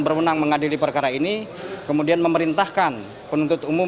berwenang mengadili perkara ini kemudian memerintahkan penuntut umum